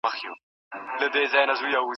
زه کولای شم چې په دې پروژه کې ستاسو مرسته وکړم.